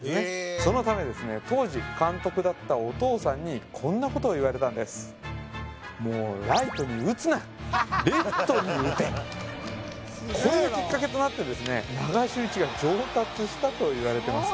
そのため当時監督だったお父さんにこんなことを言われたんですこれがきっかけとなってですねしたといわれてます